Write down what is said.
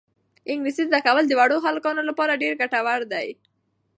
انګلیسي زده کول د وړو هلکانو لپاره ډېر ګټور دي.